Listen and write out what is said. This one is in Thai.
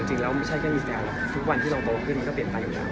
จริงแล้วมันไม่ใช่แค่อีกแล้วทุกวันที่เราโตขึ้นมันก็เปลี่ยนไปอยู่แล้ว